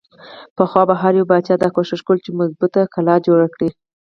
پخوا به هر يو باچا دا کوښښ کولو چې مضبوطه قلا جوړه کړي۔